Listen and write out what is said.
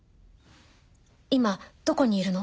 今どこにいるの？